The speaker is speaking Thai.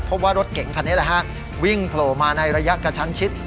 ว่ารถเก่งคันนี้แหละฮะวิ่งโผล่มาในระยะกระชั้นชิด